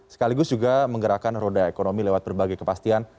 sekaligus juga menggerakkan roda ekonomi lewat berbagai kepastian